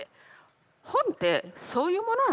本ってそういうものなの？